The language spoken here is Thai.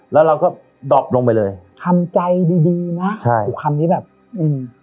แล้วเราก็ดอบลงไปเลยทำใจดีดีนะใช่คำนี้แบบอืม